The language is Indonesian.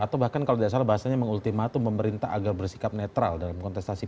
atau bahkan kalau tidak salah bahasanya mengultimatum pemerintah agar bersikap netral dalam kontestasi